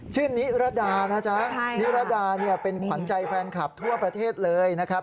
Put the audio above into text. นิรดานะจ๊ะนิรดาเนี่ยเป็นขวัญใจแฟนคลับทั่วประเทศเลยนะครับ